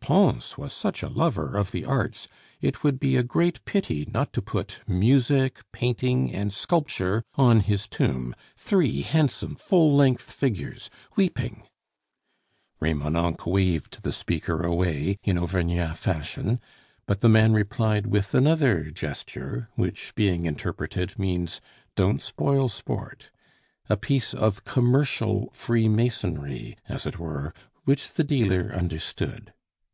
Pons was such a lover of the arts, it would be a great pity not to put Music, Painting, and Sculpture on his tomb three handsome full length figures, weeping " Remonencq waved the speaker away, in Auvergnat fashion, but the man replied with another gesture, which being interpreted means "Don't spoil sport"; a piece of commercial free masonry, as it were, which the dealer understood.